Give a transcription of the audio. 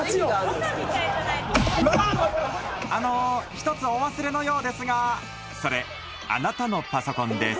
あのー１つお忘れのようですがそれあなたのパソコンです